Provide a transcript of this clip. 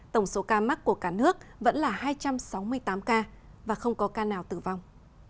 tổng số ca mắc của cả nước vẫn là hai trăm sáu mươi tám ca và không có ca nào tử vong